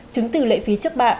chứng từ lệ phí chấp bạ